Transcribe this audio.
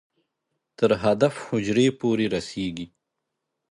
تر هدف حجرې پورې رسېږي.